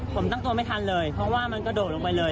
ผมตั้งตัวไม่ทันเลยเพราะว่ามันกระโดดลงไปเลย